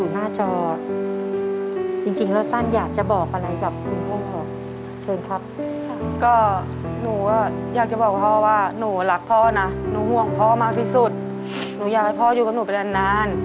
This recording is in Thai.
หนูอยากให้พ่ออยู่กับหนูไปนาน